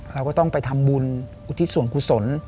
เราก็ต้องไปทำบุญอุทิศวรคุณสน